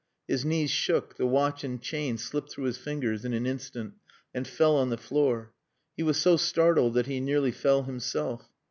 His knees shook, the watch and chain slipped through his fingers in an instant and fell on the floor. He was so startled that he nearly fell himself.